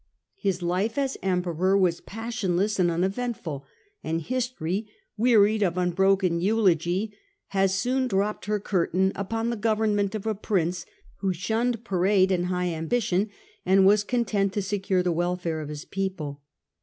His life as Emperor was passionless and uneventful, and history, wearied of unbroken eulogy, has soon dropped her curtain upon the government of a prince who shunned parade and high ambition, and was content to secure the welfare of his people.